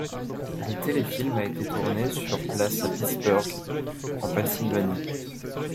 Le téléfilm a été tourné sur place à Pittsburgh en Pennsylvanie.